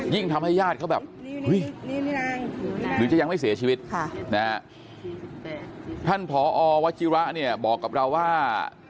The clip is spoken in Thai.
ทำให้ญาติเขาแบบหรือจะยังไม่เสียชีวิตท่านผอวจิระเนี่ยบอกกับเราว่า